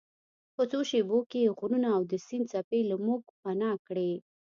په څو شیبو کې یې غرونه او د سیند څپې له موږ پناه کړې.